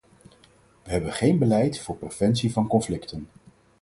We hebben geen beleid voor preventie van conflicten.